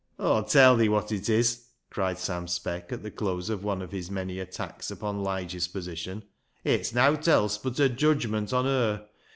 Aw'll tell thi wot it is," cried Sam Speck, at the close of one of his many attacks upon Lige's position, " it's nowt else but a judgment on her.